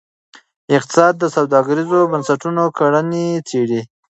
اقتصاد د سوداګریزو بنسټونو کړنې څیړي.